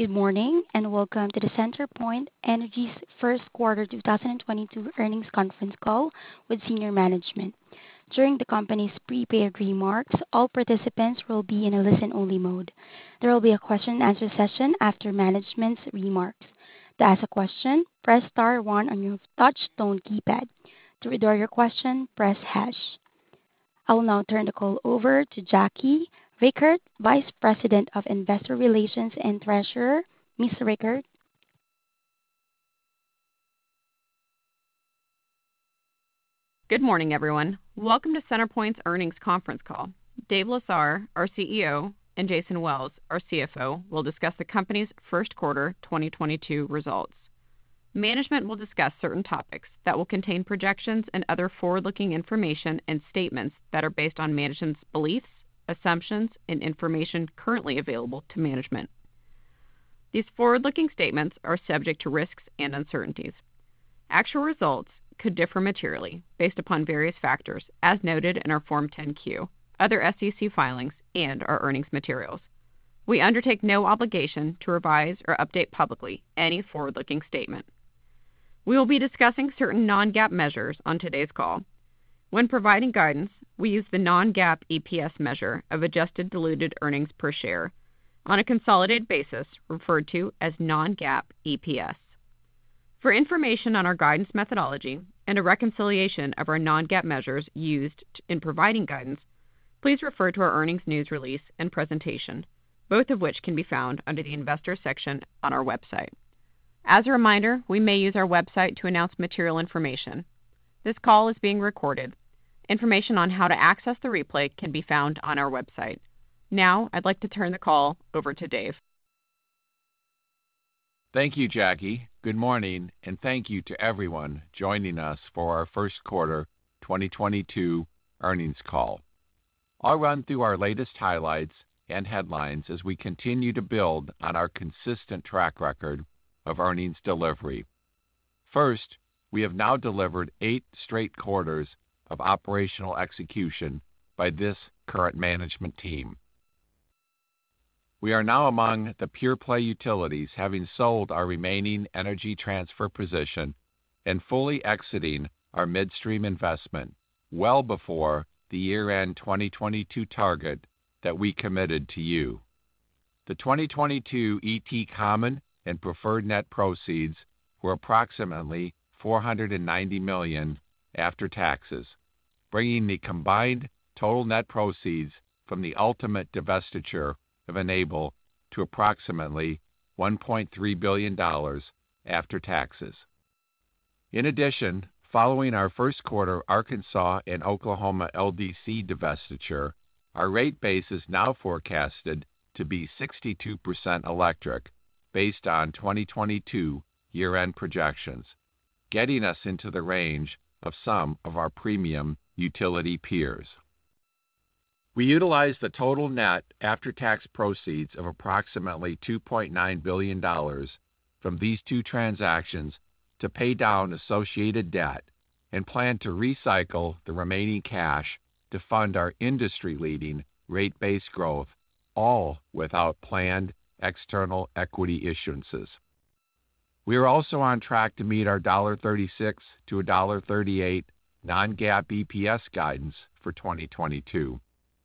Good morning, and welcome to the CenterPoint Energy's Q1 2022 earnings conference call with senior management. During the company's prepared remarks, all participants will be in a listen-only mode. There will be a question-and-answer session after management's remarks. To ask a question, press star one on your touch tone keypad. To withdraw your question, press hash. I will now turn the call over to Jackie Richert, Vice President of Investor Relations and Treasurer. Ms. Richert? Good morning, everyone. Welcome to CenterPoint's earnings conference call. Dave Lesar, our CEO, and Jason Wells, our CFO, will discuss the company's Q1 2022 results. Management will discuss certain topics that will contain projections and other forward-looking information and statements that are based on management's beliefs, assumptions, and information currently available to management. These forward-looking statements are subject to risks and uncertainties. Actual results could differ materially based upon various factors as noted in our Form 10-Q, other SEC filings and our earnings materials. We undertake no obligation to revise or update publicly any forward-looking statement. We will be discussing certain non-GAAP measures on today's call. When providing guidance, we use the non-GAAP EPS measure of adjusted diluted earnings per share on a consolidated basis, referred to as non-GAAP EPS. For information on our guidance methodology and a reconciliation of our non-GAAP measures used in providing guidance, please refer to our earnings news release and presentation, both of which can be found under the Investors section on our website. As a reminder, we may use our website to announce material information. This call is being recorded. Information on how to access the replay can be found on our website. Now, I'd like to turn the call over to Dave. Thank you, Jackie. Good morning, and thank you to everyone joining us for our Q1 2022 earnings call. I'll run through our latest highlights and headlines as we continue to build on our consistent track record of earnings delivery. First, we have now delivered eight straight quarters of operational execution by this current management team. We are now among the pure-play utilities, having sold our remaining Energy Transfer position and fully exiting our midstream investment well before the year-end 2022 target that we committed to you. The 2022 ET common and preferred net proceeds were approximately $490 million after taxes, bringing the combined total net proceeds from the ultimate divestiture of Enable to approximately $1.3 billion after taxes. In addition, following our Q1 Arkansas and Oklahoma LDC divestiture, our rate base is now forecasted to be 62% electric based on 2022 year-end projections, getting us into the range of some of our premium utility peers. We utilized the total net after-tax proceeds of approximately $2.9 billion from these two transactions to pay down associated debt and plan to recycle the remaining cash to fund our industry-leading rate base growth, all without planned external equity issuances. We are also on track to meet our $1.36-$1.38 non-GAAP EPS guidance for 2022,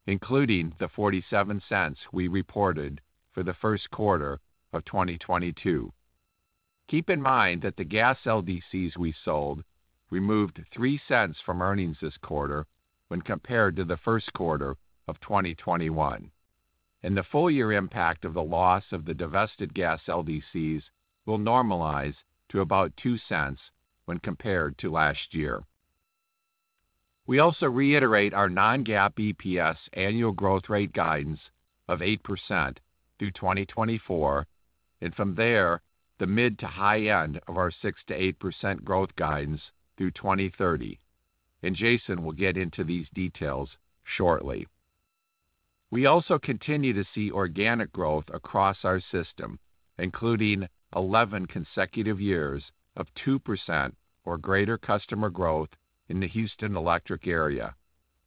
including the $0.47 we reported for the Q1 of 2022. Keep in mind that the gas LDCs we sold removed $0.03 from earnings this quarter when compared to the Q1 of 2021, and the full year impact of the loss of the divested gas LDCs will normalize to about $0.02 when compared to last year. We also reiterate our non-GAAP EPS annual growth rate guidance of 8% through 2024 and from there, the mid to high end of our 6%-8% growth guidance through 2030. Jason will get into these details shortly. We also continue to see organic growth across our system, including 11 consecutive years of 2% or greater customer growth in the Houston electric area,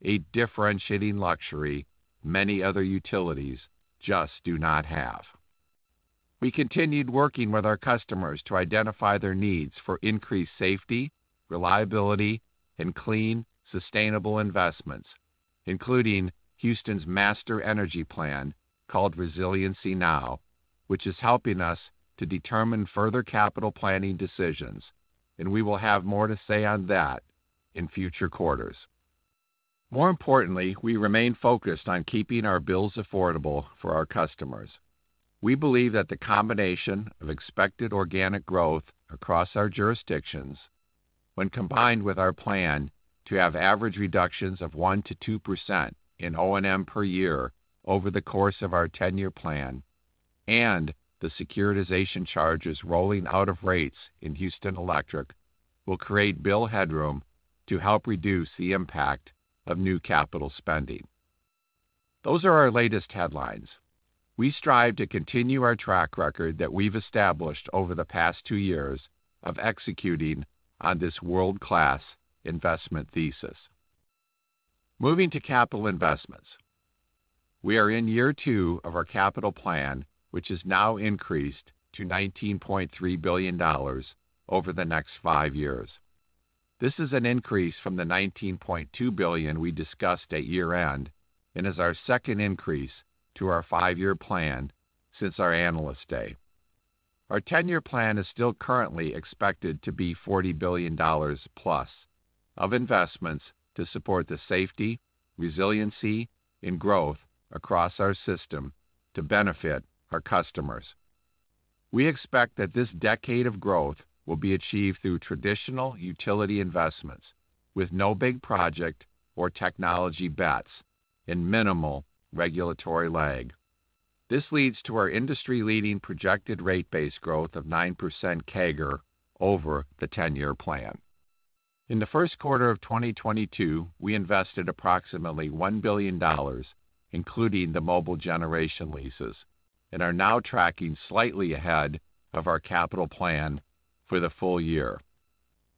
a differentiating luxury many other utilities just do not have. We continued working with our customers to identify their needs for increased safety, reliability and clean, sustainable investments, including Houston's master energy plan called Resiliency Now, which is helping us to determine further capital planning decisions, and we will have more to say on that in future quarters. More importantly, we remain focused on keeping our bills affordable for our customers. We believe that the combination of expected organic growth across our jurisdictions when combined with our plan to have average reductions of 1%-2% in O&M per year over the course of our 10 year plan and the securitization charges rolling out of rates in Houston Electric, will create bill headroom to help reduce the impact of new capital spending. Those are our latest headlines. We strive to continue our track record that we've established over the past two years of executing on this world-class investment thesis. Moving to capital investments. We are in year two of our capital plan, which is now increased to $19.3 billion over the next five years. This is an increase from the $19.2 billion we discussed at year-end and is our second increase to our five year plan since our Analyst Day. Our 10 year plan is still currently expected to be $40 billion-plus of investments to support the safety, resiliency, and growth across our system to benefit our customers. We expect that this decade of growth will be achieved through traditional utility investments with no big project or technology bets and minimal regulatory lag. This leads to our industry-leading projected rate base growth of 9% CAGR over the 10 year plan. In the Q1 of 2022, we invested approximately $1 billion, including the mobile generation leases, and are now tracking slightly ahead of our capital plan for the full year.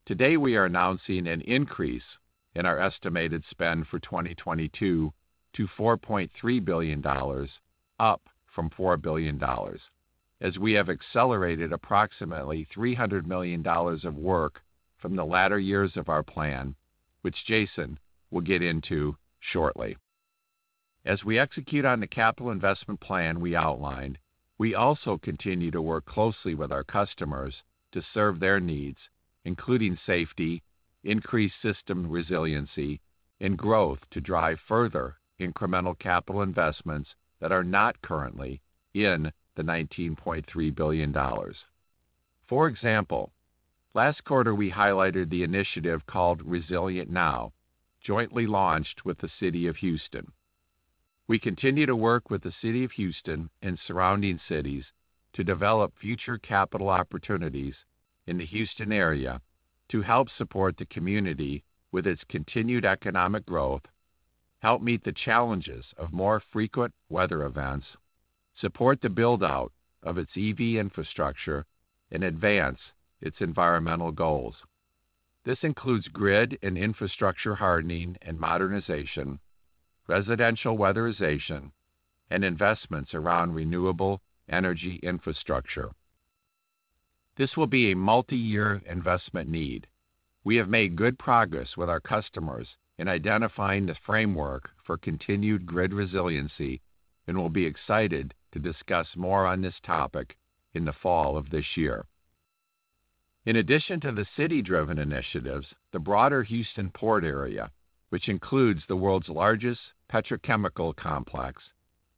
Today, we are announcing an increase in our estimated spend for 2022 to $4.3 billion, up from $4 billion, as we have accelerated approximately $300 million of work from the latter years of our plan, which Jason will get into shortly. As we execute on the capital investment plan we outlined, we also continue to work closely with our customers to serve their needs, including safety, increased system resiliency, and growth to drive further incremental capital investments that are not currently in the $19.3 billion. For example, last quarter, we highlighted the initiative called Resilient Now, jointly launched with the City of Houston. We continue to work with the City of Houston and surrounding cities to develop future capital opportunities in the Houston area to help support the community with its continued economic growth, help meet the challenges of more frequent weather events, support the build-out of its EV infrastructure, and advance its environmental goals. This includes grid and infrastructure hardening and modernization, residential weatherization, and investments around renewable energy infrastructure. This will be a multi-year investment need. We have made good progress with our customers in identifying the framework for continued grid resiliency and will be excited to discuss more on this topic in the fall of this year. In addition to the city-driven initiatives, the broader Houston Port area, which includes the world's largest petrochemical complex,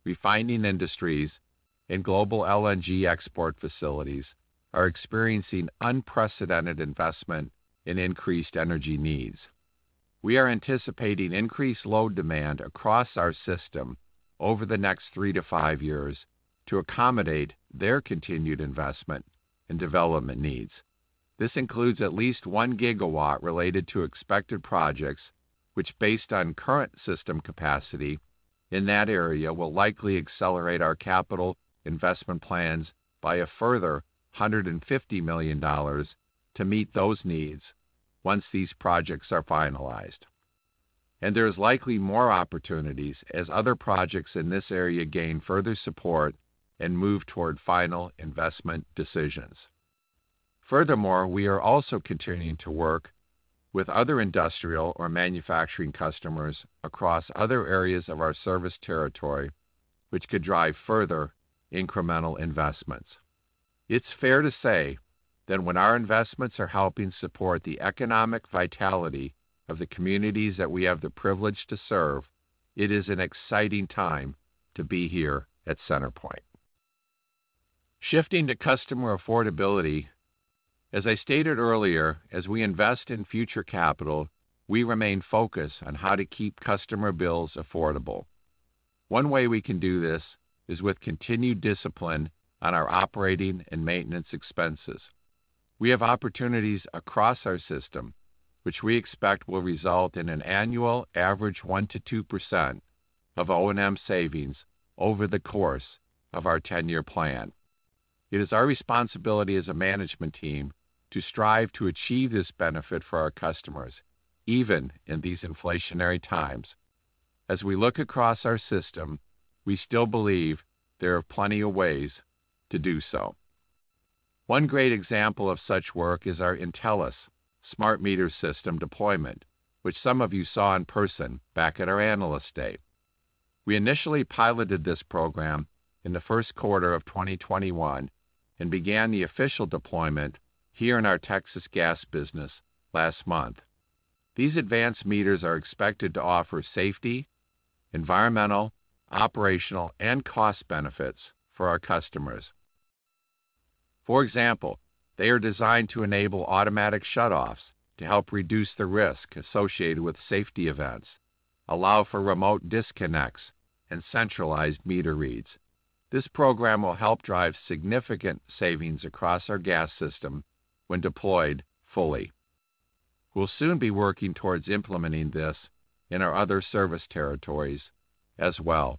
refining industries, and global LNG export facilities, are experiencing unprecedented investment in increased energy needs. We are anticipating increased load demand across our system over the next three to five years to accommodate their continued investment and development needs. This includes at least 1 GW related to expected projects, which based on current system capacity in that area, will likely accelerate our capital investment plans by a further $150 million to meet those needs once these projects are finalized. There is likely more opportunities as other projects in this area gain further support and move toward final investment decisions. Furthermore, we are also continuing to work with other industrial or manufacturing customers across other areas of our service territory, which could drive further incremental investments. It's fair to say that when our investments are helping support the economic vitality of the communities that we have the privilege to serve, it is an exciting time to be here at CenterPoint. Shifting to customer affordability, as I stated earlier, as we invest in future capital, we remain focused on how to keep customer bills affordable. One way we can do this is with continued discipline on our operating and maintenance expenses. We have opportunities across our system which we expect will result in an annual average 1%-2% of O&M savings over the course of our 10 year plan. It is our responsibility as a management team to strive to achieve this benefit for our customers, even in these inflationary times. As we look across our system, we still believe there are plenty of ways to do so. One great example of such work is our Intelis smart meter system deployment, which some of you saw in person back at our Analyst Day. We initially piloted this program in the Q1 of 2021 and began the official deployment here in our Texas gas business last month. These advanced meters are expected to offer safety, environmental, operational, and cost benefits for our customers. For example, they are designed to enable automatic shutoffs to help reduce the risk associated with safety events, allow for remote disconnects, and centralized meter reads. This program will help drive significant savings across our gas system when deployed fully. We'll soon be working towards implementing this in our other service territories as well.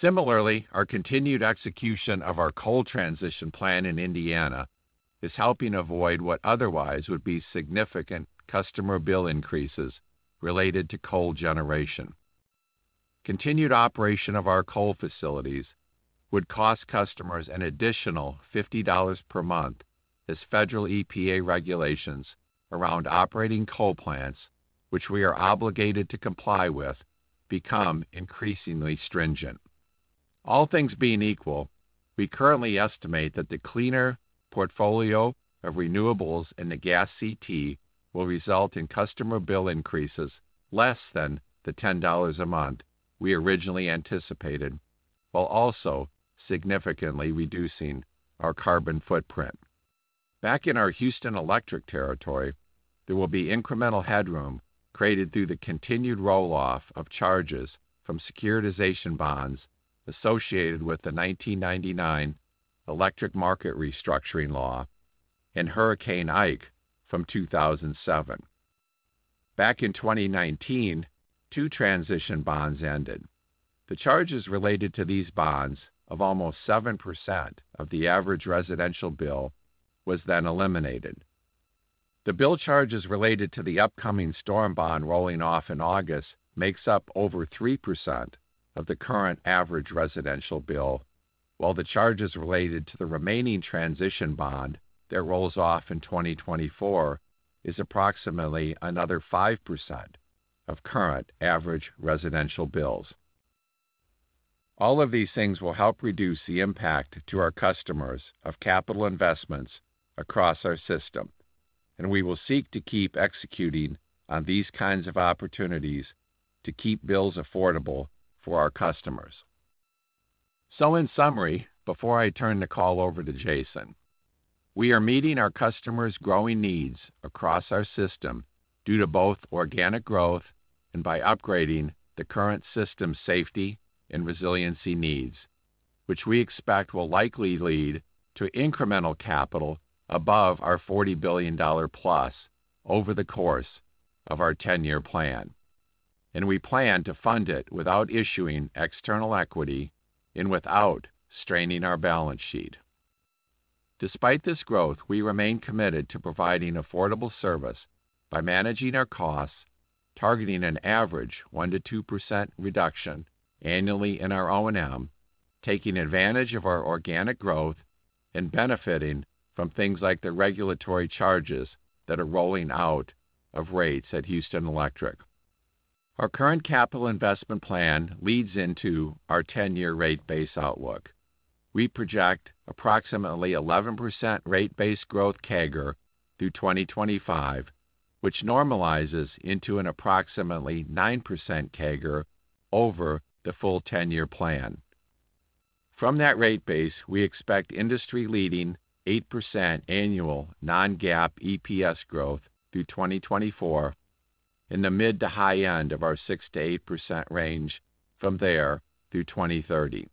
Similarly, our continued execution of our coal transition plan in Indiana is helping avoid what otherwise would be significant customer bill increases related to coal generation. Continued operation of our coal facilities would cost customers an additional $50 per month as federal EPA regulations around operating coal plants, which we are obligated to comply with, become increasingly stringent. All things being equal, we currently estimate that the cleaner portfolio of renewables in the gas CT will result in customer bill increases less than the $10 a month we originally anticipated, while also significantly reducing our carbon footprint. Back in our Houston Electric territory, there will be incremental headroom created through the continued roll-off of charges from securitization bonds associated with the 1999 electric market restructuring law and Hurricane Ike from 2007. Back in 2019, two transition bonds ended. The charges related to these bonds of almost 7% of the average residential bill was then eliminated. The bill charges related to the upcoming storm bond rolling off in August makes up over 3% of the current average residential bill, while the charges related to the remaining transition bond that rolls off in 2024 is approximately another 5% of current average residential bills. All of these things will help reduce the impact to our customers of capital investments across our system, and we will seek to keep executing on these kinds of opportunities to keep bills affordable for our customers. In summary, before I turn the call over to Jason, we are meeting our customers' growing needs across our system due to both organic growth and by upgrading the current system safety and resiliency needs, which we expect will likely lead to incremental capital above our $40 billion+ over the course of our 10 year plan. We plan to fund it without issuing external equity and without straining our balance sheet. Despite this growth, we remain committed to providing affordable service by managing our costs, targeting an average 1%-2% reduction annually in our O&M, taking advantage of our organic growth, and benefiting from things like the regulatory charges that are rolling out of rates at Houston Electric. Our current capital investment plan leads into our ten-year rate base outlook. We project approximately 11% rate base growth CAGR through 2025, which normalizes into an approximately 9% CAGR over the full ten-year plan. From that rate base, we expect industry-leading 8% annual non-GAAP EPS growth through 2024 in the mid- to high-end of our 6%-8% range from there through 2030.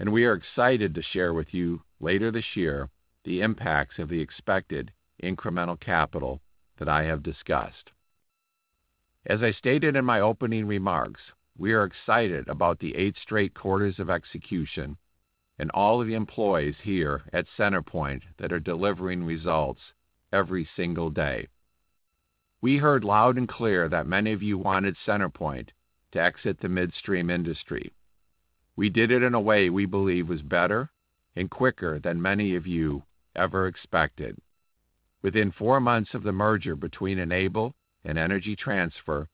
We are excited to share with you later this year the impacts of the expected incremental capital that I have discussed. As I stated in my opening remarks, we are excited about the eight straight quarters of execution and all of the employees here at CenterPoint that are delivering results every single day. We heard loud and clear that many of you wanted CenterPoint to exit the midstream industry. We did it in a way we believe was better and quicker than many of you ever expected. Within four months of the merger between Enable and Energy Transfer,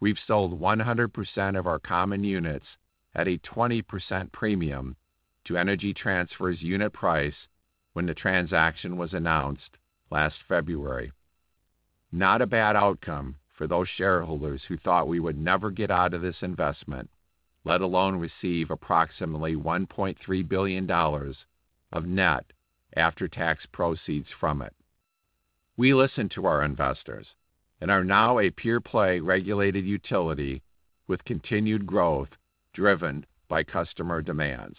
we've sold 100% of our common units at a 20% premium to Energy Transfer's unit price when the transaction was announced last February. Not a bad outcome for those shareholders who thought we would never get out of this investment, let alone receive approximately $1.3 billion of net after-tax proceeds from it. We listened to our investors and are now a pure-play regulated utility with continued growth driven by customer demands.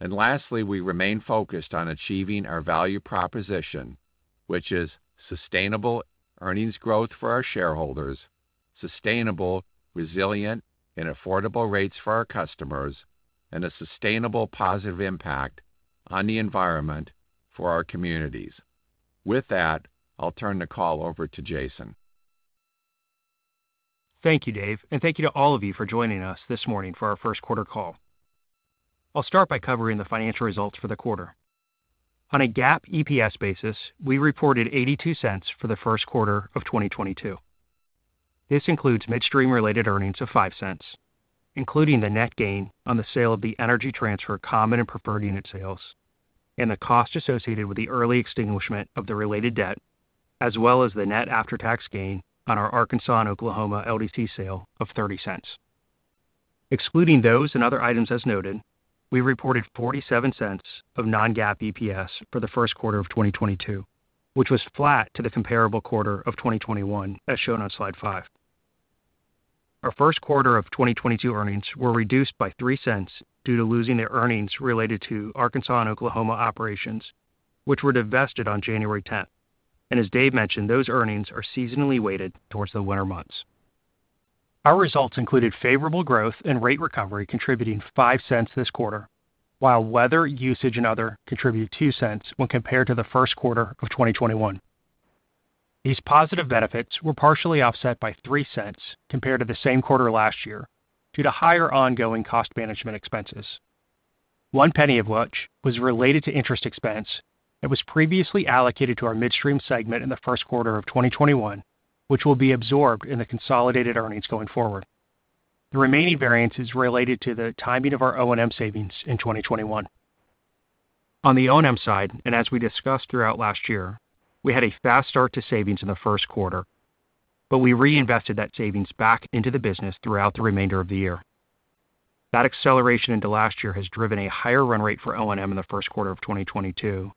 Lastly, we remain focused on achieving our value proposition, which is sustainable earnings growth for our shareholders, sustainable, resilient, and affordable rates for our customers, and a sustainable positive impact on the environment for our communities. With that, I'll turn the call over to Jason. Thank you, Dave, and thank you to all of you for joining us this morning for our Q1 call. I'll start by covering the financial results for the quarter. On a GAAP EPS basis, we reported $0.82 for the Q1 of 2022. This includes midstream-related earnings of $0.05, including the net gain on the sale of the Energy Transfer common and preferred unit sales and the cost associated with the early extinguishment of the related debt, as well as the net after-tax gain on our Arkansas and Oklahoma LDC sale of $0.30. Excluding those and other items as noted, we reported $0.47 of non-GAAP EPS for the Q1 of 2022, which was flat to the comparable quarter of 2021, as shown on slide five. Our Q1 of 2022 earnings were reduced by $0.03 due to losing the earnings related to Arkansas and Oklahoma operations, which were divested on January 10th. As Dave mentioned, those earnings are seasonally weighted towards the winter months. Our results included favorable growth and rate recovery contributing $0.05 this quarter, while weather usage and other contributed $0.02 when compared to the Q1 of 2021. These positive benefits were partially offset by $0.03 compared to the same quarter last year due to higher ongoing cost management expenses. $0.01 of which was related to interest expense that was previously allocated to our midstream segment in the Q1 of 2021, which will be absorbed in the consolidated earnings going forward. The remaining variance is related to the timing of our O&M savings in 2021. On the O&M side, and as we discussed throughout last year, we had a fast start to savings in the Q1, but we reinvested that savings back into the business throughout the remainder of the year. That acceleration into last year has driven a higher run rate for O&M in the Q1 of 2022,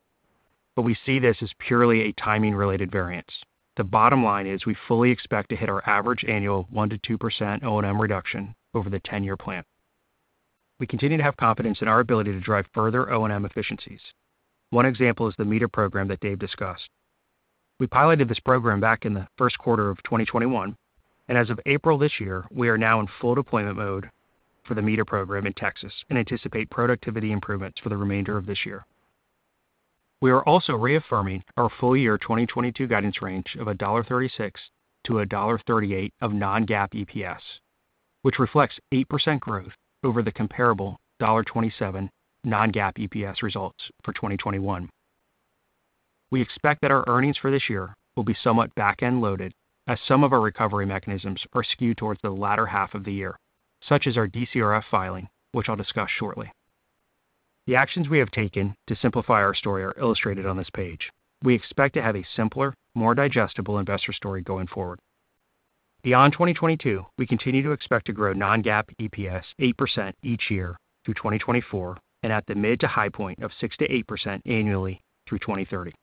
but we see this as purely a timing related variance. The bottom line is we fully expect to hit our average annual 1%-2% O&M reduction over the 10 year plan. We continue to have confidence in our ability to drive further O&M efficiencies. One example is the meter program that Dave discussed. We piloted this program back in the Q1 of 2021, and as of April this year, we are now in full deployment mode for the meter program in Texas and anticipate productivity improvements for the remainder of this year. We are also reaffirming our full year 2022 guidance range of $1.36-$1.38 of non-GAAP EPS, which reflects 8% growth over the comparable $1.27 non-GAAP EPS results for 2021. We expect that our earnings for this year will be somewhat back-end loaded as some of our recovery mechanisms are skewed towards the latter half of the year, such as our DCRF filing, which I'll discuss shortly. The actions we have taken to simplify our story are illustrated on this page. We expect to have a simpler, more digestible investor story going forward. Beyond 2022, we continue to expect to grow non-GAAP EPS 8% each year through 2024 and at the mid to high point of 6%-8% annually through 2030.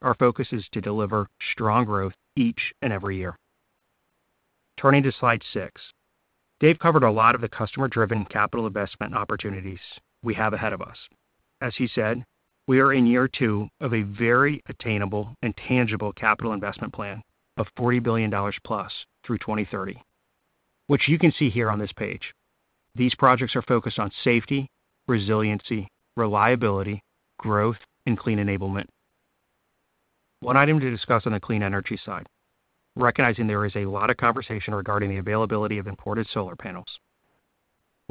Our focus is to deliver strong growth each and every year. Turning to slide six. Dave covered a lot of the customer-driven capital investment opportunities we have ahead of us. As he said, we are in year two of a very attainable and tangible capital investment plan of $40 billion+ through 2030, which you can see here on this page. These projects are focused on safety, resiliency, reliability, growth, and clean enablement. One item to discuss on the clean energy side, recognizing there is a lot of conversation regarding the availability of imported solar panels.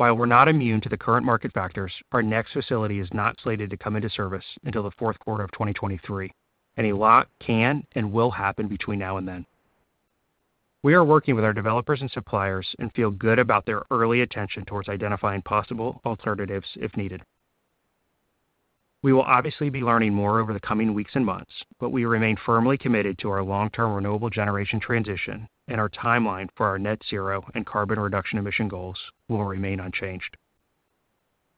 While we're not immune to the current market factors, our next facility is not slated to come into service until the Q4 of 2023, and a lot can and will happen between now and then. We are working with our developers and suppliers and feel good about their early attention towards identifying possible alternatives if needed. We will obviously be learning more over the coming weeks and months, but we remain firmly committed to our long-term renewable generation transition and our timeline for our net zero and carbon reduction emission goals will remain unchanged.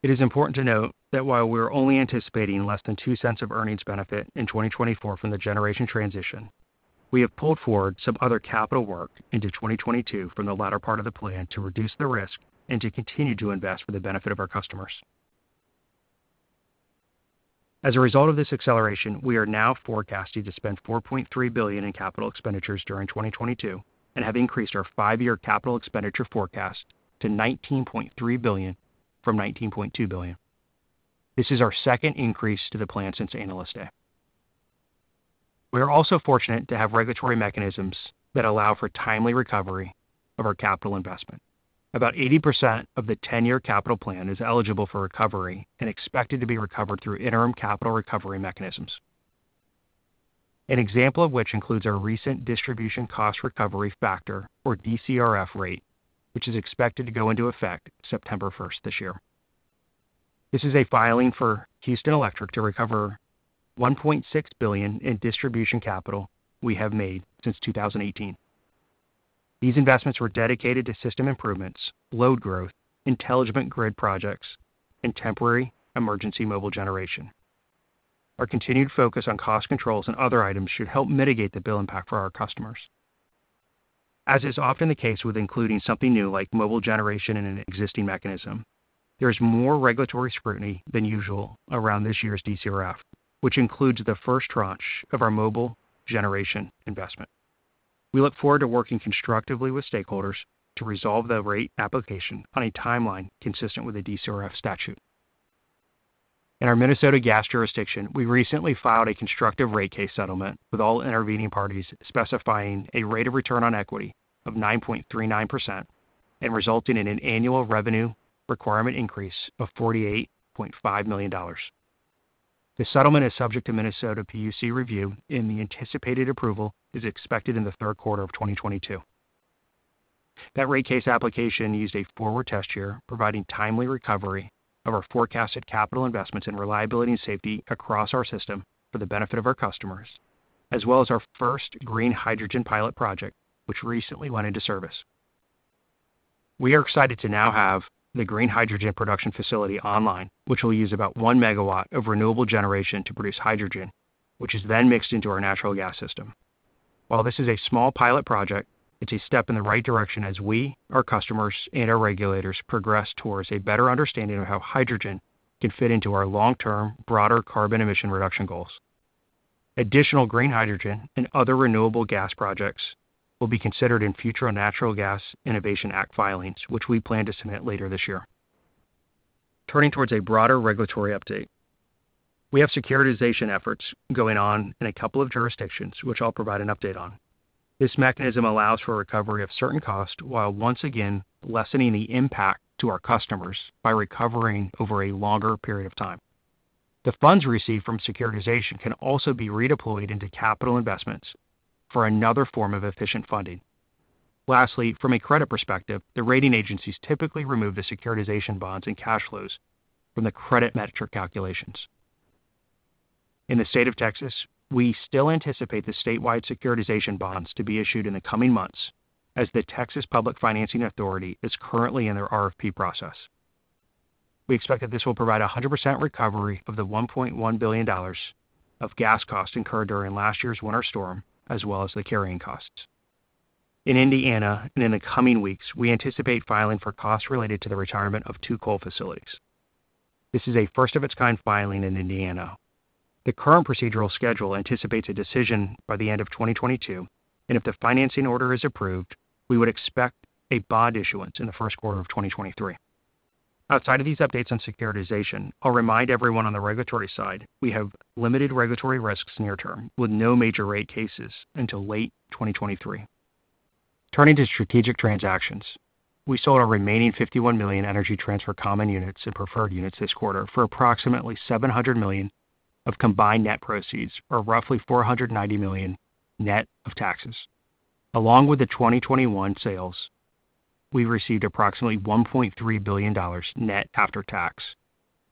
It is important to note that while we're only anticipating less than $0.02 of earnings benefit in 2024 from the generation transition, we have pulled forward some other capital work into 2022 from the latter part of the plan to reduce the risk and to continue to invest for the benefit of our customers. As a result of this acceleration, we are now forecasting to spend $4.3 billion in capital expenditures during 2022 and have increased our five year capital expenditure forecast to $19.3 billion from $19.2 billion. This is our second increase to the plan since Analyst Day. We are also fortunate to have regulatory mechanisms that allow for timely recovery of our capital investment. About 80% of the 10 year capital plan is eligible for recovery and expected to be recovered through interim capital recovery mechanisms. An example of which includes our recent distribution cost recovery factor, or DCRF rate, which is expected to go into effect September 1st this year. This is a filing for Houston Electric to recover $1.6 billion in distribution capital we have made since 2018. These investments were dedicated to system improvements, load growth, intelligent grid projects, and temporary emergency mobile generation. Our continued focus on cost controls and other items should help mitigate the bill impact for our customers. As is often the case with including something new like mobile generation in an existing mechanism, there is more regulatory scrutiny than usual around this year's DCRF, which includes the first tranche of our mobile generation investment. We look forward to working constructively with stakeholders to resolve the rate application on a timeline consistent with the DCRF statute. In our Minnesota gas jurisdiction, we recently filed a constructive rate case settlement with all intervening parties specifying a rate of return on equity of 9.39% and resulting in an annual revenue requirement increase of $48.5 million. The settlement is subject to Minnesota PUC review, and the anticipated approval is expected in the Q3 of 2022. That rate case application used a forward test year, providing timely recovery of our forecasted capital investments in reliability and safety across our system for the benefit of our customers, as well as our first green hydrogen pilot project, which recently went into service. We are excited to now have the green hydrogen production facility online, which will use about 1 MW of renewable generation to produce hydrogen, which is then mixed into our natural gas system. While this is a small pilot project, it's a step in the right direction as we, our customers, and our regulators progress towards a better understanding of how hydrogen can fit into our long-term broader carbon emission reduction goals. Additional green hydrogen and other renewable gas projects will be considered in future Natural Gas Innovation Act filings, which we plan to submit later this year. Turning towards a broader regulatory update. We have securitization efforts going on in a couple of jurisdictions, which I'll provide an update on. This mechanism allows for recovery of certain costs while once again lessening the impact to our customers by recovering over a longer period of time. The funds received from securitization can also be redeployed into capital investments for another form of efficient funding. Lastly, from a credit perspective, the rating agencies typically remove the securitization bonds and cash flows from the credit metric calculations. In the state of Texas, we still anticipate the statewide securitization bonds to be issued in the coming months as the Texas Public Finance Authority is currently in their RFP process. We expect that this will provide 100% recovery of the $1.1 billion of gas costs incurred during last year's winter storm, as well as the carrying costs. In Indiana, and in the coming weeks, we anticipate filing for costs related to the retirement of two coal facilities. This is a first of its kind filing in Indiana. The current procedural schedule anticipates a decision by the end of 2022, and if the financing order is approved, we would expect a bond issuance in the Q1 of 2023. Outside of these updates on securitization, I'll remind everyone on the regulatory side, we have limited regulatory risks near term with no major rate cases until late 2023. Turning to strategic transactions. We sold our remaining 51,000,000 Energy Transfer common units and preferred units this quarter for approximately $700 million of combined net proceeds, or roughly $490 million net of taxes. Along with the 2021 sales, we received approximately $1.3 billion net after tax,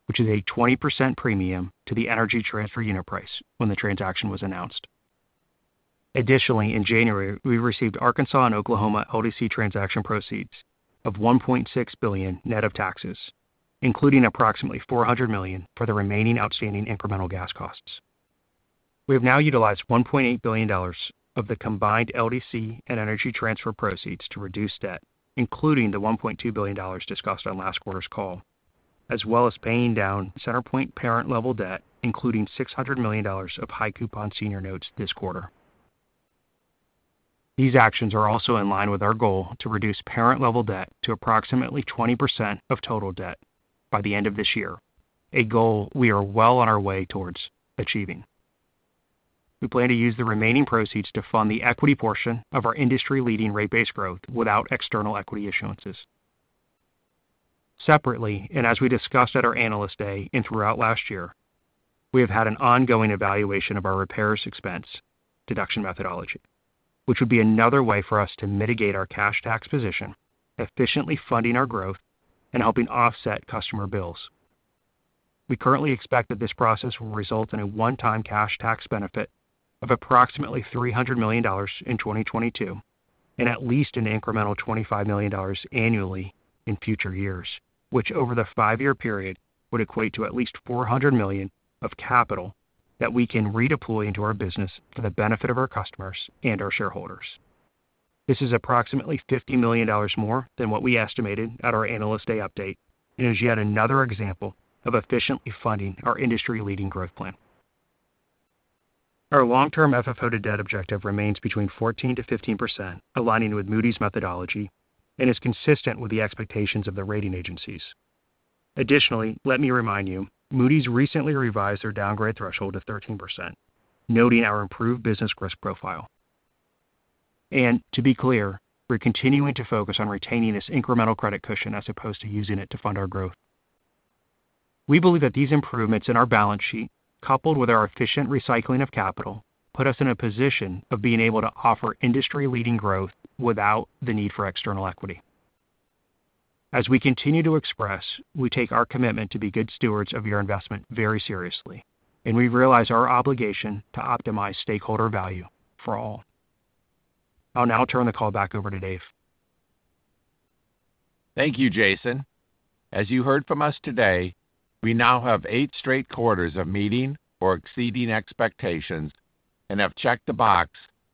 which is a 20% premium to the Energy Transfer unit price when the transaction was announced. Additionally, in January, we received Arkansas and Oklahoma LDC transaction proceeds of $1.6 billion net of taxes, including approximately $400 million for the remaining outstanding incremental gas costs. We have now utilized $1.8 billion of the combined LDC and Energy Transfer proceeds to reduce debt, including the $1.2 billion discussed on last quarter's call, as well as paying down CenterPoint parent level debt, including $600 million of high coupon senior notes this quarter. These actions are also in line with our goal to reduce parent level debt to approximately 20% of total debt by the end of this year, a goal we are well on our way towards achieving. We plan to use the remaining proceeds to fund the equity portion of our industry-leading rate-based growth without external equity issuances. Separately, and as we discussed at our Analyst Day and throughout last year, we have had an ongoing evaluation of our repairs expense deduction methodology, which would be another way for us to mitigate our cash tax position, efficiently funding our growth and helping offset customer bills. We currently expect that this process will result in a one-time cash tax benefit of approximately $300 million in 2022 and at least an incremental $25 million annually in future years, which over the five year period would equate to at least $400 million of capital that we can redeploy into our business for the benefit of our customers and our shareholders. This is approximately $50 million more than what we estimated at our Analyst Day update and is yet another example of efficiently funding our industry-leading growth plan. Our long-term FFO to debt objective remains between 14%-15%, aligning with Moody's methodology and is consistent with the expectations of the rating agencies. Additionally, let me remind you, Moody's recently revised their downgrade threshold of 13%, noting our improved business risk profile. To be clear, we're continuing to focus on retaining this incremental credit cushion as opposed to using it to fund our growth. We believe that these improvements in our balance sheet, coupled with our efficient recycling of capital, put us in a position of being able to offer industry-leading growth without the need for external equity. As we continue to express, we take our commitment to be good stewards of your investment very seriously, and we realize our obligation to optimize stakeholder value for all. I'll now turn the call back over to Dave. Thank you, Jason. As you heard from us today, we now have eight straight quarters of meeting or exceeding expectations and have checked the box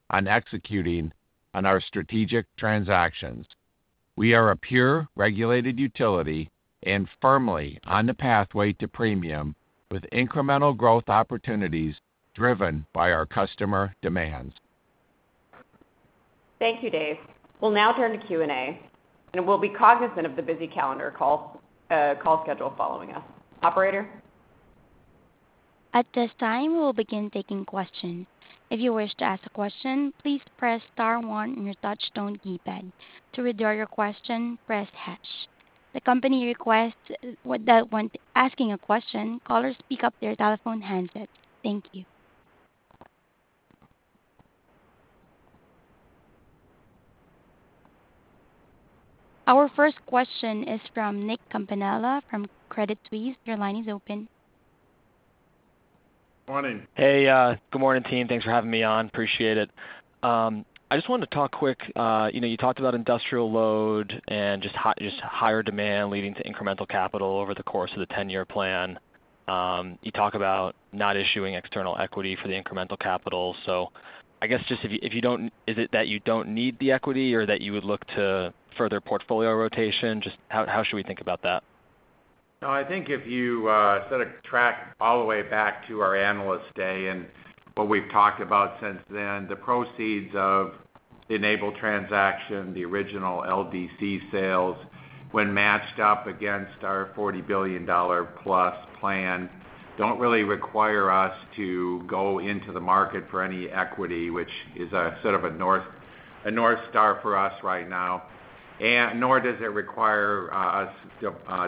on executing on our strategic transactions. We are a pure regulated utility and firmly on the pathway to premium with incremental growth opportunities driven by our customer demands. Thank you, Dave. We'll now turn to Q&A, and we'll be cognizant of the busy calendar call schedule following us. Operator? At this time, we will begin taking questions. If you wish to ask a question, please press star one on your touch tone keypad. To withdraw your question, press hash. The company requests that when asking a question, callers pick up their telephone handset. Thank you. Our first question is from Nick Campanella from Credit Suisse. Your line is open. Morning. Hey, good morning, team. Thanks for having me on. Appreciate it. I just wanted to talk quick, you know, you talked about industrial load and just higher demand leading to incremental capital over the course of the 10 year plan. You talk about not issuing external equity for the incremental capital. I guess just if you don't. Is it that you don't need the equity or that you would look to further portfolio rotation? Just how should we think about that? No, I think if you sort of track all the way back to our Analyst Day and what we've talked about since then, the proceeds of the Enable transaction, the original LDC sales, when matched up against our $40 billion+ plan, don't really require us to go into the market for any equity, which is a sort of a north star for us right now. Nor does it require us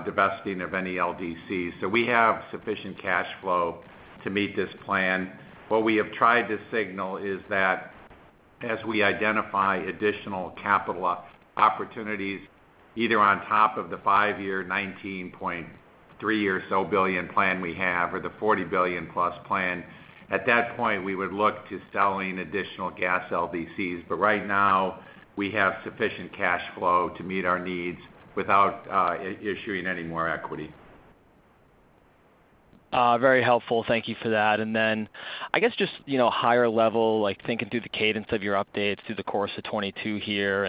divesting of any LDCs. We have sufficient cash flow to meet this plan. What we have tried to signal is that as we identify additional capital opportunities, either on top of the five year $19.3 billion or so plan we have or the $40 billion+ plan, at that point, we would look to selling additional gas LDCs. Right now, we have sufficient cash flow to meet our needs without issuing any more equity. Very helpful. Thank you for that. Then I guess just, you know, higher level, like thinking through the cadence of your updates through the course of 2022 here.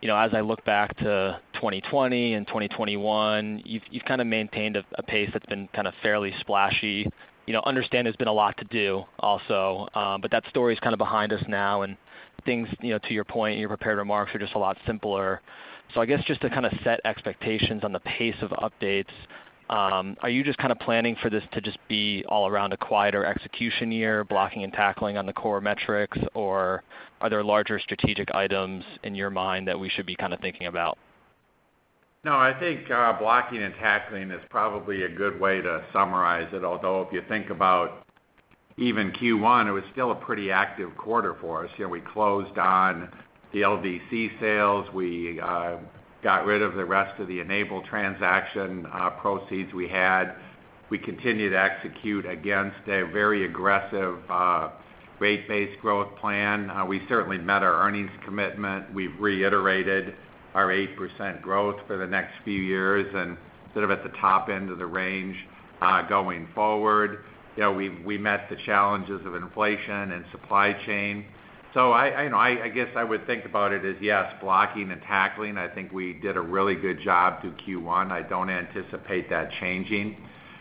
You know, as I look back to 2020 and 2021, you've kind of maintained a pace that's been kind of fairly splashy. You know, understand there's been a lot to do also, but that story is kind of behind us now, and things, you know, to your point, in your prepared remarks, are just a lot simpler. I guess just to kind of set expectations on the pace of updates, are you just kind of planning for this to just be all around a quieter execution year, blocking and tackling on the core metrics, or are there larger strategic items in your mind that we should be kind of thinking about? No, I think blocking and tackling is probably a good way to summarize it. Although, if you think about even Q1, it was still a pretty active quarter for us. You know, we closed on the LDC sales. We got rid of the rest of the Enable transaction proceeds we had. We continued to execute against a very aggressive rate-based growth plan. We certainly met our earnings commitment. We've reiterated our 8% growth for the next few years and sort of at the top end of the range going forward. You know, we've met the challenges of inflation and supply chain. I, you know, I guess I would think about it as, yes, blocking and tackling. I think we did a really good job through Q1. I don't anticipate that changing.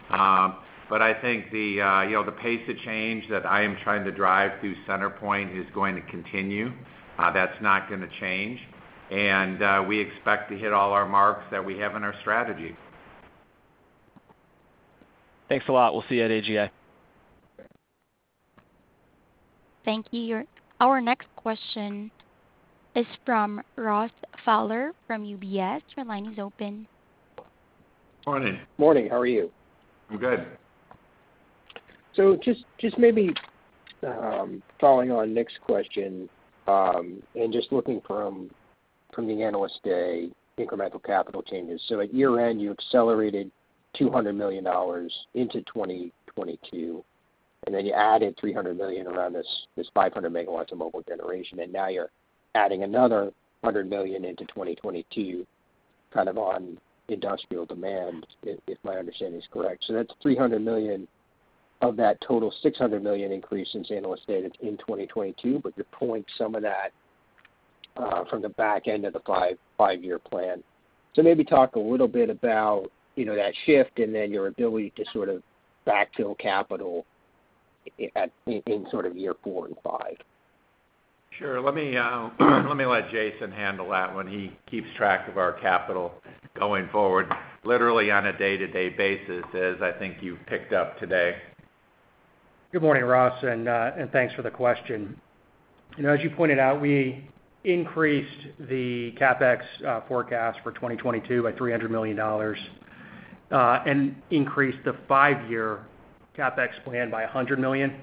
I think, you know, the pace of change that I am trying to drive through CenterPoint is going to continue. That's not gonna change. We expect to hit all our marks that we have in our strategy. Thanks a lot. We'll see you at AGA. Thank you. Our next question is from Ross Fowler from UBS. Your line is open. Morning. Morning. How are you? I'm good. Just maybe following on Nick's question and just looking from the Analyst Day incremental capital changes. At year-end, you accelerated $200 million into 2022, and then you added $300 million around this 500 MW of mobile generation, and now you're adding another $100 million into 2022 kind of on industrial demand, if my understanding is correct. That's $300 million of that total $600 million increase since Analyst Day that's in 2022, you're pulling some of that from the back end of the five year plan. Maybe talk a little bit about that shift and then your ability to sort of backfill capital in sort of year four and five. Sure. Let me let Jason handle that one. He keeps track of our capital going forward, literally on a day-to-day basis, as I think you've picked up today. Good morning, Ross, and thanks for the question. You know, as you pointed out, we increased the CapEx forecast for 2022 by $300 million, and increased the five year CapEx plan by $100 million.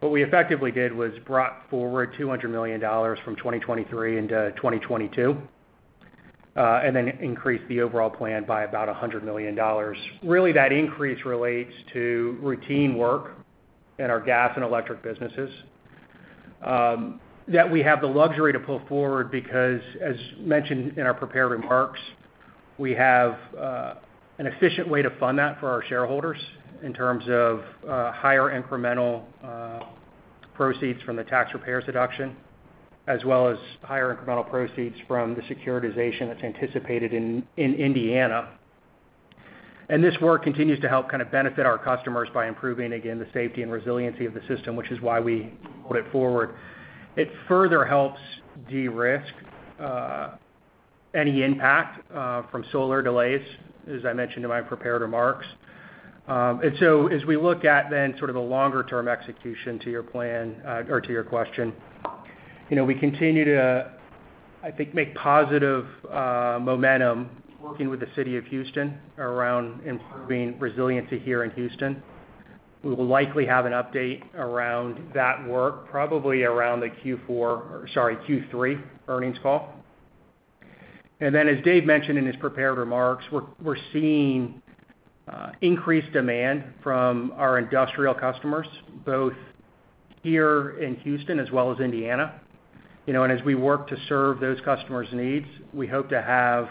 What we effectively did was brought forward $200 million from 2023 into 2022, and then increased the overall plan by about $100 million. Really, that increase relates to routine work in our gas and electric businesses that we have the luxury to pull forward because, as mentioned in our prepared remarks, we have an efficient way to fund that for our shareholders in terms of higher incremental proceeds from the tax repairs deduction, as well as higher incremental proceeds from the securitization that's anticipated in Indiana. This work continues to help kind of benefit our customers by improving, again, the safety and resiliency of the system, which is why we pulled it forward. It further helps de-risk any impact from solar delays, as I mentioned in my prepared remarks. As we look at then sort of the longer term execution to your plan, or to your question, you know, we continue to, I think, make positive momentum working with the City of Houston around improving resiliency here in Houston. We will likely have an update around that work probably around the Q4 or sorry, Q3 earnings call. Then, as Dave mentioned in his prepared remarks, we're seeing increased demand from our industrial customers, both here in Houston as well as Indiana. You know, as we work to serve those customers' needs, we hope to have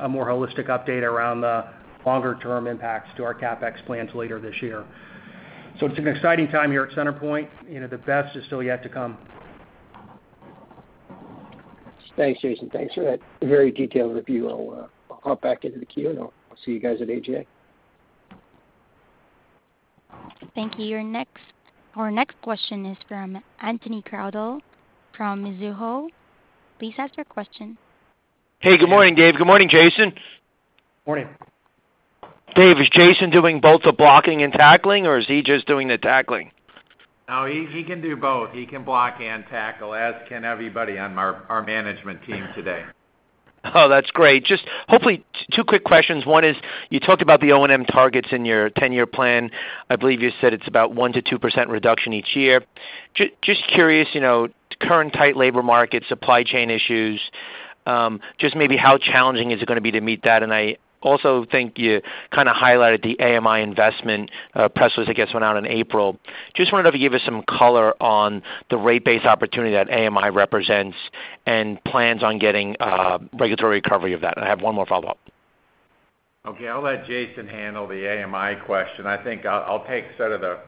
a more holistic update around the longer-term impacts to our CapEx plans later this year. It's an exciting time here at CenterPoint. You know, the best is still yet to come. Thanks, Jason. Thanks for that very detailed review. I'll hop back into the queue, and I'll see you guys at AGA. Thank you. Our next question is from Anthony Crowdell from Mizuho. Please ask your question. Hey, good morning, Dave. Good morning, Jason. Morning. Dave, is Jason doing both the blocking and tackling, or is he just doing the tackling? No, he can do both. He can block and tackle, as can everybody on our management team today. Oh, that's great. Just hopefully two quick questions. One is, you talked about the O&M targets in your 10 year plan. I believe you said it's about 1%-2% reduction each year. Just curious, you know, current tight labor markets, supply chain issues, just maybe how challenging is it gonna be to meet that? I also think you kind of highlighted the AMI investment, press release, I guess, went out in April. Just wondered if you give us some color on the rate base opportunity that AMI represents and plans on getting, regulatory recovery of that. I have one more follow-up. Okay, I'll let Jason handle the AMI question. I think I'll take sort of the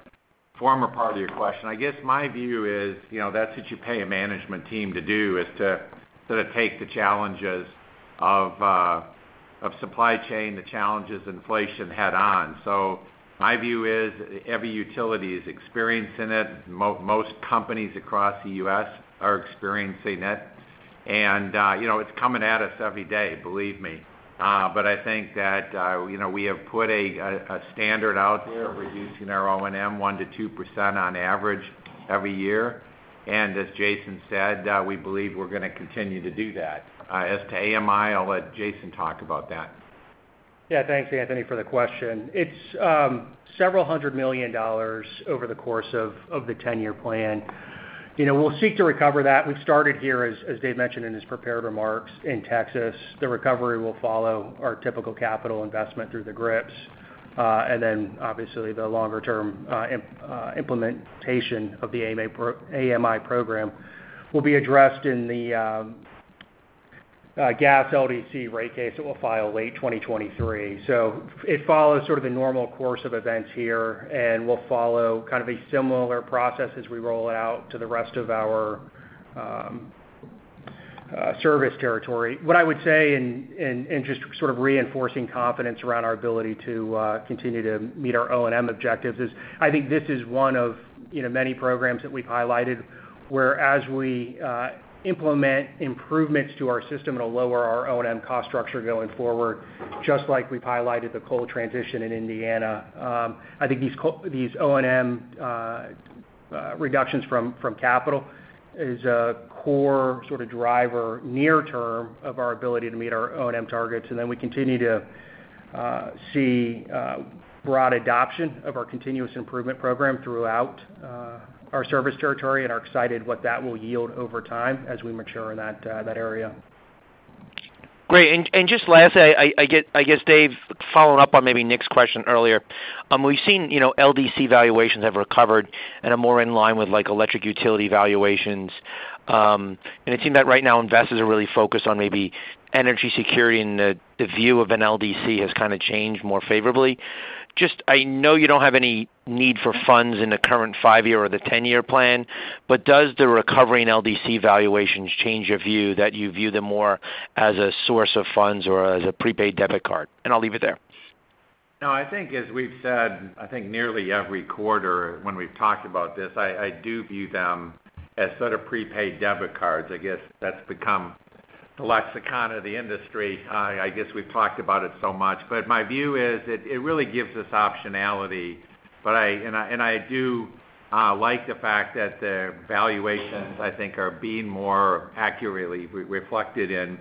former part of your question. I guess my view is, you know, that's what you pay a management team to do, is to sort of take the challenges of supply chain, the challenges of inflation head on. My view is every utility is experiencing it. Most companies across the U.S. are experiencing it. You know, it's coming at us every day, believe me. But I think that, you know, we have put a standard out there reducing our O&M 1%-2% on average every year. As Jason said, we believe we're gonna continue to do that. As to AMI, I'll let Jason talk about that. Yeah. Thanks, Anthony, for the question. It's several hundred million over the course of the 10 year plan. You know, we'll seek to recover that. We've started here as Dave mentioned in his prepared remarks, in Texas. The recovery will follow our typical capital investment through the GRIP. And then obviously the longer term implementation of the AMI program will be addressed in the gas LDC rate case that we'll file late 2023. It follows sort of the normal course of events here, and we'll follow kind of a similar process as we roll out to the rest of our service territory. What I would say in just sort of reinforcing confidence around our ability to continue to meet our O&M objectives is I think this is one of, you know, many programs that we've highlighted, whereas we implement improvements to our system it'll lower our O&M cost structure going forward, just like we've highlighted the coal transition in Indiana. I think these O&M reductions from capital is a core sort of driver near term of our ability to meet our O&M targets. We continue to see broad adoption of our continuous improvement program throughout our service territory and are excited what that will yield over time as we mature in that area. Great. Just last, I guess, Dave, following up on maybe Nick's question earlier, we've seen LDC valuations have recovered and are more in line with like electric utility valuations. It seemed that right now investors are really focused on maybe energy security, and the view of an LDC has kind of changed more favorably. Just I know you don't have any need for funds in the current five year or the 10 year plan, but does the recovery in LDC valuations change your view that you view them more as a source of funds or as a prepaid debit card? I'll leave it there. No, I think as we've said, I think nearly every quarter when we've talked about this, I do view them as sort of prepaid debit cards. I guess that's become the lexicon of the industry. I guess we've talked about it so much. My view is it really gives us optionality. I do like the fact that the valuations I think are being more accurately reflected in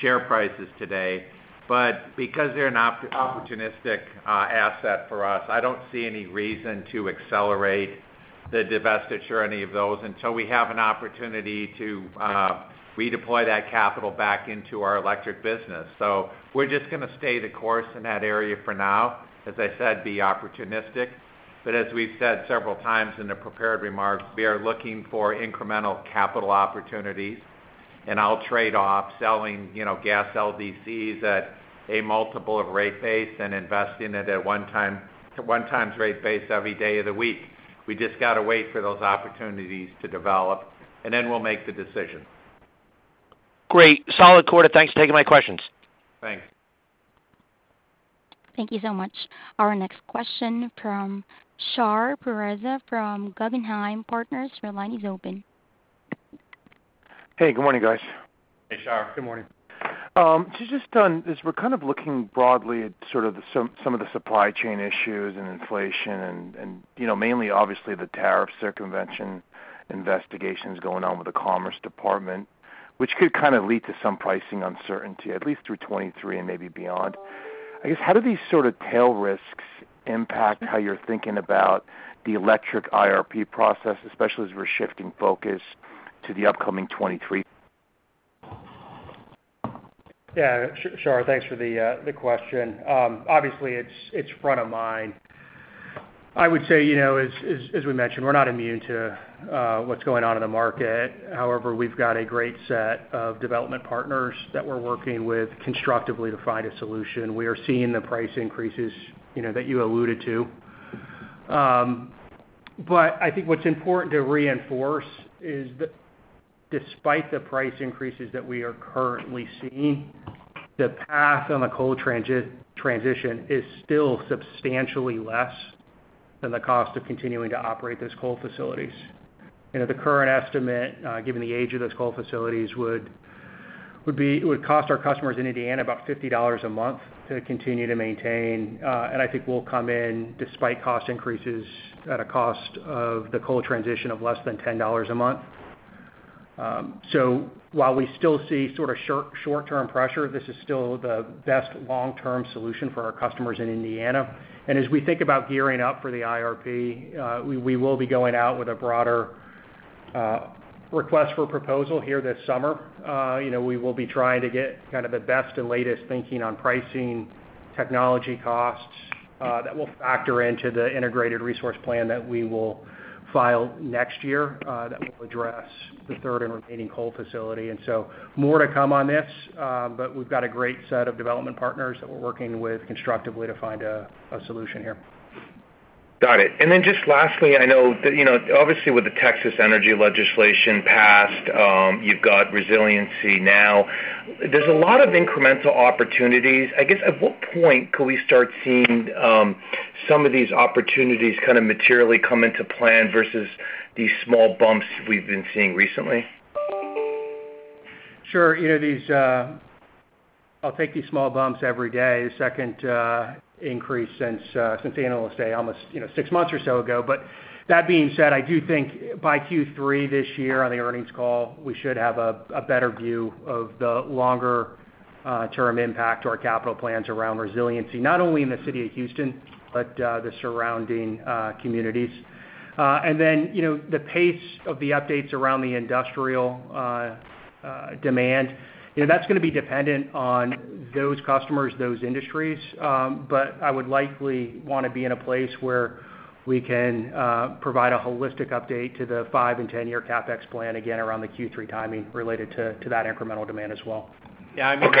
share prices today. Because they're an opportunistic asset for us, I don't see any reason to accelerate the divestiture, any of those, until we have an opportunity to redeploy that capital back into our electric business. We're just gonna stay the course in that area for now, as I said, be opportunistic. As we've said several times in the prepared remarks, we are looking for incremental capital opportunities, and I'll trade off selling, you know, gas LDCs at a multiple of rate base and investing it at 1x rate base every day of the week. We just gotta wait for those opportunities to develop, and then we'll make the decision. Great. Solid quarter. Thanks for taking my questions. Thanks. Thank you so much. Our next question from Shar Pourreza from Guggenheim Partners. Your line is open. Hey, good morning, guys. Hey, Shar. Good morning. Just on as we're kind of looking broadly at sort of some of the supply chain issues and inflation and, you know, mainly obviously the tariff circumvention investigations going on with the Department of Commerce, which could kind of lead to some pricing uncertainty at least through 2023 and maybe beyond. I guess, how do these sort of tail risks impact how you're thinking about the electric IRP process, especially as we're shifting focus to the upcoming 2023. Yeah, Shar, thanks for the question. Obviously, it's front of mind. I would say, you know, as we mentioned, we're not immune to what's going on in the market. However, we've got a great set of development partners that we're working with constructively to find a solution. We are seeing the price increases, you know, that you alluded to. I think what's important to reinforce is that despite the price increases that we are currently seeing, the path on the coal transition is still substantially less than the cost of continuing to operate those coal facilities. You know, the current estimate, given the age of those coal facilities would be it would cost our customers in Indiana about $50 a month to continue to maintain, and I think we'll come in despite cost increases at a cost of the coal transition of less than $10 a month. While we still see sort of short-term pressure, this is still the best long-term solution for our customers in Indiana. As we think about gearing up for the IRP, we will be going out with a broader request for proposal here this summer. You know, we will be trying to get kind of the best and latest thinking on pricing, technology costs, that will factor into the integrated resource plan that we will file next year, that will address the third and remaining coal facility. More to come on this, but we've got a great set of development partners that we're working with constructively to find a solution here. Got it. Just lastly, I know that, you know, obviously, with the Texas energy legislation passed, you've got Resiliency Now. There's a lot of incremental opportunities. I guess, at what point could we start seeing some of these opportunities kind of materially come into plan versus these small bumps we've been seeing recently? Sure. You know, these, I'll take these small bumps every day, the second increase since the Analyst Day almost, you know, six months or so ago. That being said, I do think by Q3 this year on the earnings call, we should have a better view of the longer term impact to our capital plans around resiliency, not only in the City of Houston, but the surrounding communities. You know, the pace of the updates around the industrial demand, you know, that's gonna be dependent on those customers, those industries. I would likely wanna be in a place where we can provide a holistic update to the five and 10 year CapEx plan again around the Q3 timing related to that incremental demand as well. Yeah. I mean,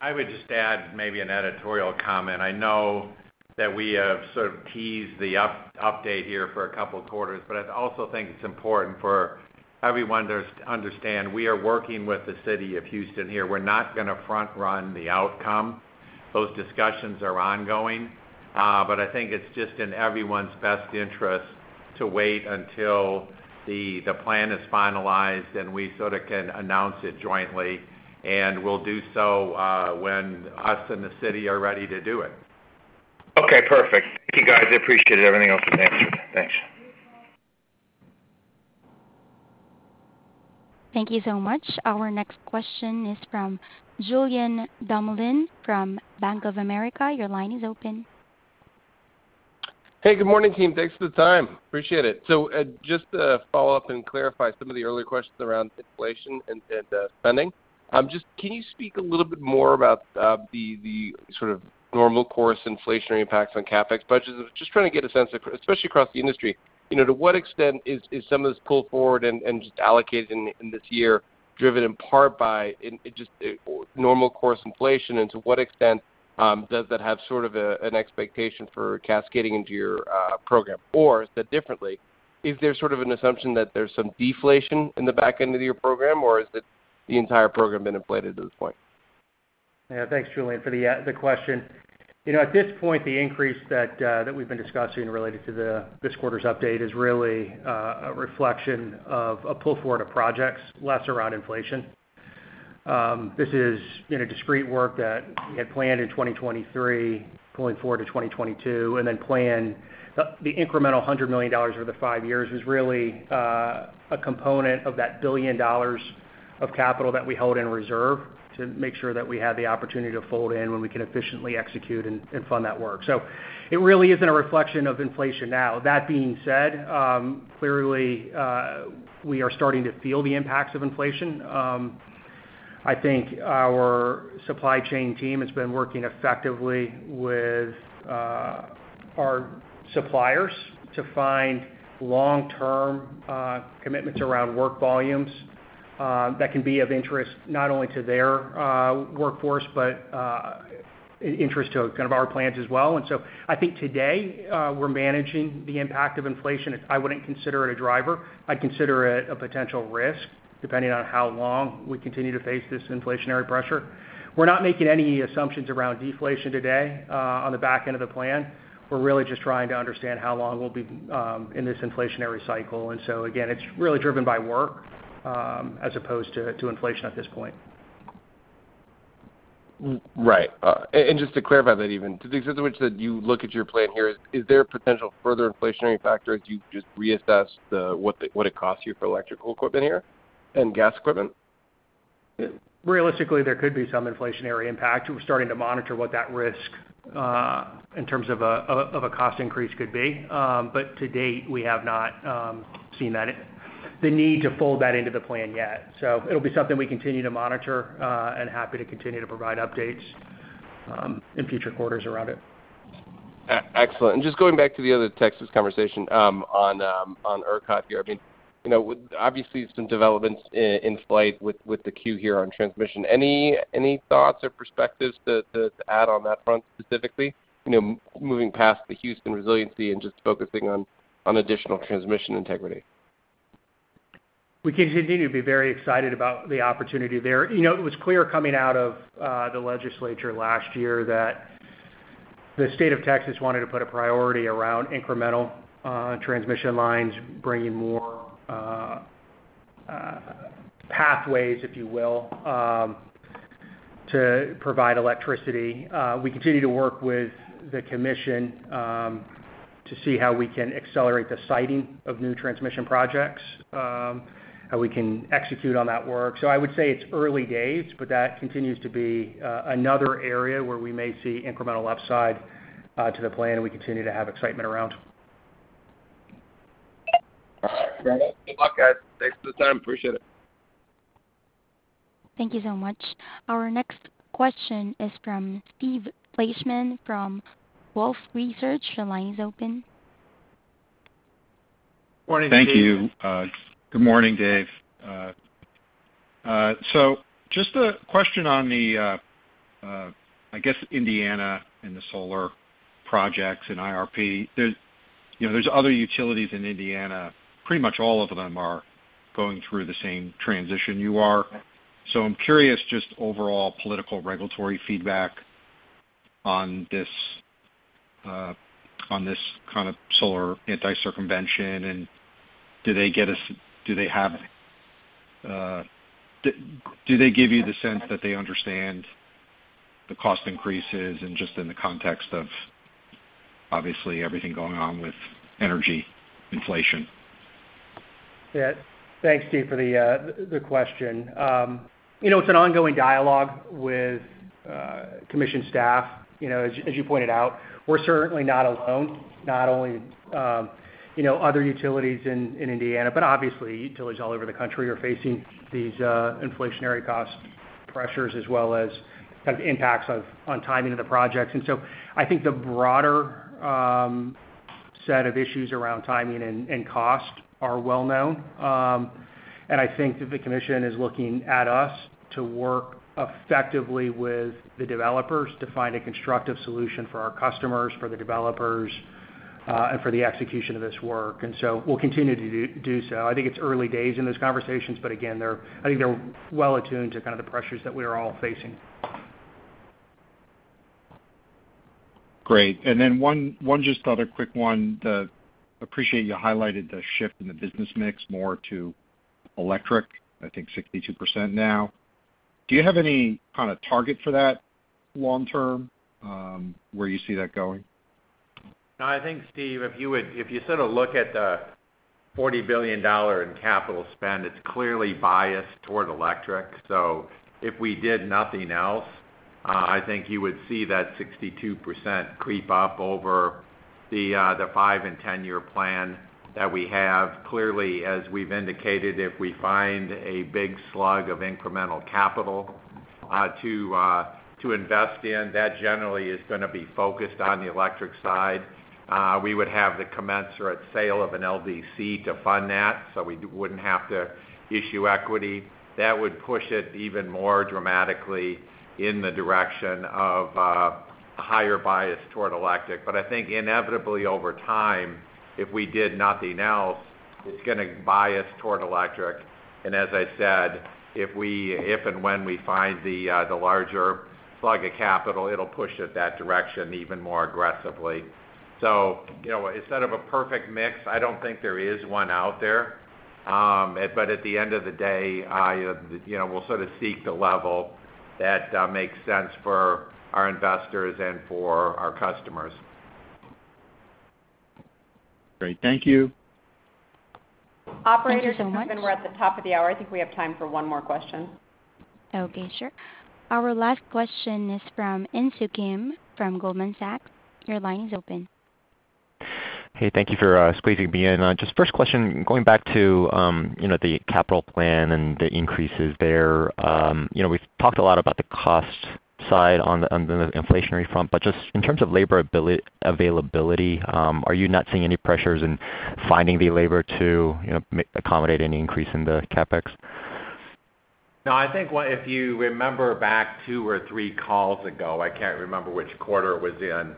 I would just add maybe an editorial comment. I know that we have sort of teased the update here for a couple of quarters, but I also think it's important for everyone to understand we are working with the City of Houston here. We're not gonna front run the outcome. Those discussions are ongoing, but I think it's just in everyone's best interest to wait until the plan is finalized, and we sorta can announce it jointly, and we'll do so when us and the city are ready to do it. Okay, perfect. Thank you, guys. I appreciate it. Everything else has been answered. Thanks. Thank you so much. Our next question is from Julien Dumoulin from Bank of America. Your line is open. Hey, good morning, team. Thanks for the time. Appreciate it. Just to follow up and clarify some of the earlier questions around inflation and spending, just can you speak a little bit more about the sort of normal course inflationary impacts on CapEx budgets? I was just trying to get a sense, especially across the industry, you know, to what extent is some of this pull forward and just allocated in this year driven in part by just normal course inflation? And to what extent does that have sort of an expectation for cascading into your program? Or said differently, is there sort of an assumption that there's some deflation in the back end of your program, or is it the entire program been inflated to this point? Yeah. Thanks, Julien, for the question. You know, at this point, the increase that we've been discussing related to this quarter's update is really a reflection of a pull forward of projects, less around inflation. This is, you know, discrete work that we had planned in 2023, pulling forward to 2022, and then plan the incremental $100 million over the five years is really a component of that $1 billion of capital that we hold in reserve to make sure that we have the opportunity to fold in when we can efficiently execute and fund that work. So it really isn't a reflection of inflation now. That being said, clearly, we are starting to feel the impacts of inflation. I think our supply chain team has been working effectively with our suppliers to find long-term commitments around work volumes that can be of interest not only to their workforce but interest to kind of our plans as well. I think today we're managing the impact of inflation. I wouldn't consider it a driver. I'd consider it a potential risk, depending on how long we continue to face this inflationary pressure. We're not making any assumptions around deflation today on the back end of the plan. We're really just trying to understand how long we'll be in this inflationary cycle. It's really driven by work as opposed to inflation at this point. Right. Just to clarify that even to the extent to which that you look at your plan here, is there potential further inflationary factor as you just reassess what it costs you for electrical equipment here and gas equipment? Realistically, there could be some inflationary impact. We're starting to monitor what that risk in terms of a cost increase could be. To date, we have not seen that, the need to fold that into the plan yet. It'll be something we continue to monitor, and happy to continue to provide updates in future quarters around it. Excellent. Just going back to the other Texas conversation, on ERCOT here, I mean, you know, with obviously some developments in flight with the queue here on transmission. Any thoughts or perspectives to add on that front specifically? You know, moving past the Houston resiliency and just focusing on additional transmission integrity. We continue to be very excited about the opportunity there. You know, it was clear coming out of the legislature last year that the state of Texas wanted to put a priority around incremental transmission lines, bringing more pathways, if you will, to provide electricity. We continue to work with the commission to see how we can accelerate the siting of new transmission projects, how we can execute on that work. I would say it's early days, but that continues to be another area where we may see incremental upside to the plan, and we continue to have excitement around. All right. Is that it? Good luck, guys. Thanks for the time. Appreciate it. Thank you so much. Our next question is from Steve Fleishman from Wolfe Research. Your line is open. Morning to you. Thank you. Good morning, Dave. Just a question on the, I guess Indiana and the solar projects and IRP. There's, you know, other utilities in Indiana, pretty much all of them are going through the same transition you are. I'm curious just overall political regulatory feedback on this, on this kind of solar anti-circumvention, and do they give you the sense that they understand the cost increases and just in the context of, obviously, everything going on with energy inflation? Yeah. Thanks, Steve, for the question. You know, it's an ongoing dialogue with commission staff. You know, as you pointed out, we're certainly not alone, not only you know other utilities in Indiana, but obviously utilities all over the country are facing these inflationary cost pressures as well as kind of impacts on timing of the projects. I think the broader set of issues around timing and cost are well known. I think that the commission is looking at us to work effectively with the developers to find a constructive solution for our customers, for the developers, and for the execution of this work. We'll continue to do so. I think it's early days in those conversations, but again, I think they're well attuned to kind of the pressures that we are all facing. Great. Then, just one other quick one. I appreciate you highlighted the shift in the business mix more to electric, I think 62% now. Do you have any kind of target for that long term, where you see that going? No, I think, Steve, if you sort of look at the $40 billion in capital spend, it's clearly biased toward electric. If we did nothing else, I think you would see that 62% creep up over the five and 10 year plan that we have. Clearly, as we've indicated, if we find a big slug of incremental capital to invest in, that generally is gonna be focused on the electric side. We would have the commensurate sale of an LDC to fund that, so we wouldn't have to issue equity. That would push it even more dramatically in the direction of a higher bias toward electric. I think inevitably over time, if we did nothing else, it's gonna bias toward electric. As I said, if and when we find the larger slug of capital, it'll push it that direction even more aggressively. You know, instead of a perfect mix, I don't think there is one out there. At the end of the day, I, you know, we'll sort of seek the level that makes sense for our investors and for our customers. Great. Thank you. Thank you so much. Operators, I think we're at the top of the hour. I think we have time for one more question. Okay, sure. Our last question is from Insoo Kim from Goldman Sachs. Your line is open. Hey, thank you for squeezing me in. Just first question, going back to, you know, the capital plan and the increases there. You know, we've talked a lot about the cost side on the inflationary front, but just in terms of labor availability, are you not seeing any pressures in finding the labor to, you know, accommodate any increase in the CapEx? No, I think if you remember back two or three calls ago, I can't remember which quarter it was in,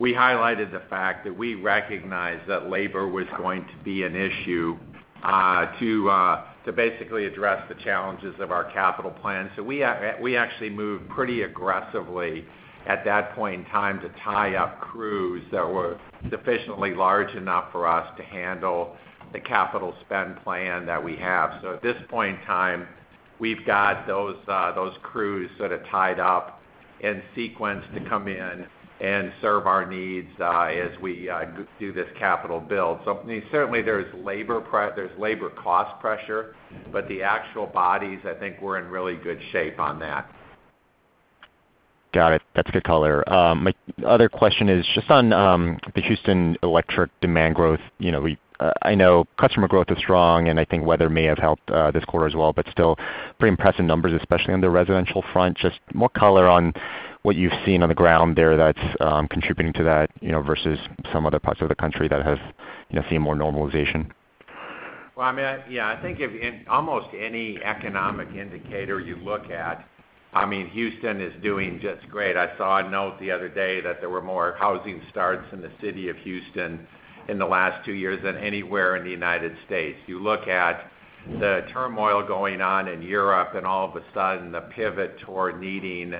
we highlighted the fact that we recognized that labor was going to be an issue, to basically address the challenges of our capital plan. We actually moved pretty aggressively at that point in time to tie up crews that were sufficiently large enough for us to handle the capital spend plan that we have. At this point in time, we've got those crews sort of tied up and sequenced to come in and serve our needs, as we do this capital build. I mean, certainly there's labor cost pressure, but the actual bodies, I think we're in really good shape on that. Got it. That's good color. My other question is just on the Houston electric demand growth. You know, I know customer growth is strong, and I think weather may have helped, this quarter as well, but still pretty impressive numbers, especially on the residential front. Just more color on what you've seen on the ground there that's contributing to that, you know, versus some other parts of the country that has, you know, seen more normalization. Well, I mean, yeah, I think if in almost any economic indicator you look at, I mean, Houston is doing just great. I saw a note the other day that there were more housing starts in the City of Houston in the last two years than anywhere in the United States. You look at the turmoil going on in Europe, and all of a sudden the pivot toward needing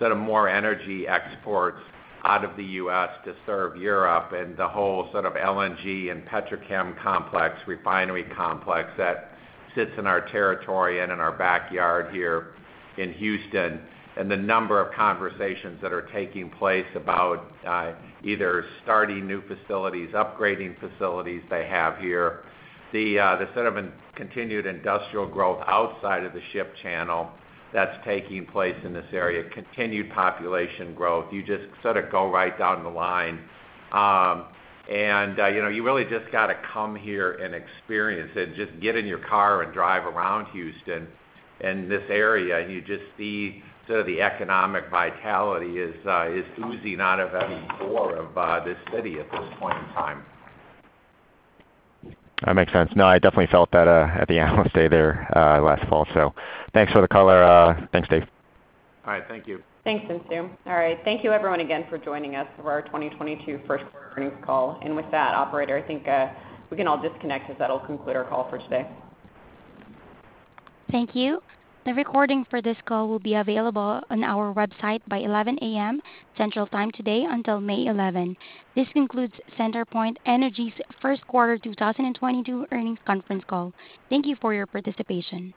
sort of more energy exports out of the U.S. to serve Europe and the whole sort of LNG and petrochemical complex, refinery complex that sits in our territory and in our backyard here in Houston. The number of conversations that are taking place about either starting new facilities, upgrading facilities they have here. The sort of continued industrial growth outside of the Ship Channel that's taking place in this area, continued population growth. You just sort of go right down the line. You know, you really just gotta come here and experience it. Just get in your car and drive around Houston and this area, and you just see sort of the economic vitality is oozing out of every pore of this city at this point in time. That makes sense. No, I definitely felt that, at the Analyst Day there, last fall. Thanks for the color. Thanks, Dave. All right. Thank you. Thanks, Insoo. All right. Thank you everyone again for joining us for our 2022 Q1 earnings call. With that, operator, I think we can all disconnect because that'll conclude our call for today. Thank you. The recording for this call will be available on our website by 11 A.M. Central Time today until May 11. This concludes CenterPoint Energy's Q1 2022 earnings conference call. Thank you for your participation.